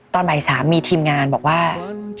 ตอนบ่าย๓มีทีมงานบอกว่า